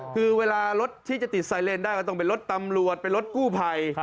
คือเวลารถที่จะติดไซเลนได้ก็ต้องเป็นรถตำรวจเป็นรถกู้ภัย